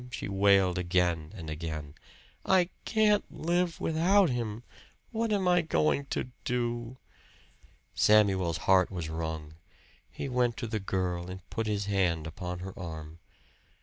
she wailed again and again. "I can't live without him! What am I going to do?" Samuel's heart was wrung. He went to the girl, and put his hand upon her arm.